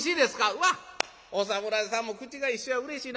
うわっお侍さんも口が一緒やうれしいな。